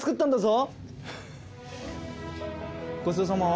ごちそうさまは？